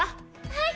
はい。